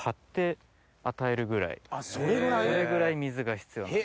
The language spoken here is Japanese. それぐらい水が必要なんです。